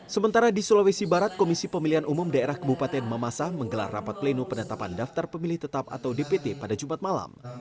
sementara di sulawesi barat komisi pemilihan umum daerah kabupaten mamasa menggelar rapat pleno penetapan daftar pemilih tetap atau dpt pada jumat malam